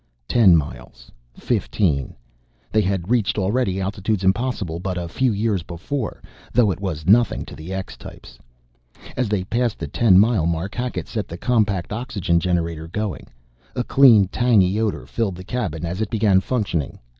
Ten miles fifteen they had reached already altitudes impossible but a few years before, though it was nothing to the X types. As they passed the ten mile mark, Hackett set the compact oxygen generator going. A clean, tangy odor filled the cabin as it began functioning.